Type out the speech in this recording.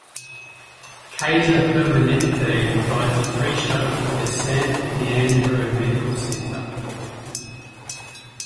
Kaiser Permanente provides a free shuttle to their San Leandro Medical Center.